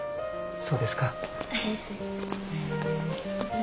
そうですか。